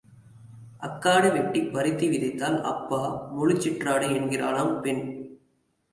அக்காடு வெட்டிக் பருத்தி விதைத்தால், அப்பா முழுச் சிற்றாடை என்கிறாளாம் பெண்.